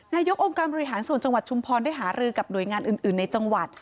นายกองค์การบริหารส่วนจังหวัดชุมพรได้หารือกับหน่วยงานอื่นในจังหวัด